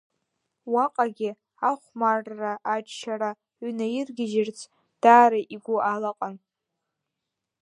Уаҟагьы ахәмарра-аччара ҩнаиргьежьырц даара игәы алаҟан.